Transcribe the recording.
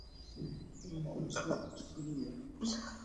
রফিকুল সাররং ব্র্যাক স্কুল থেকে এবার প্রাথমিক শিক্ষা সমাপনী পরীক্ষা দিয়েছে।